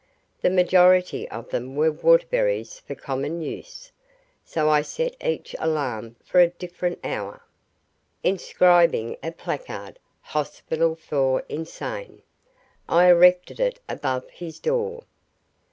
The majority of them were Waterburys for common use, so I set each alarm for a different hour. Inscribing a placard "Hospital for Insane", I erected it above his door.